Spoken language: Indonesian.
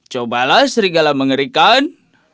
cobalah serigala mengerikan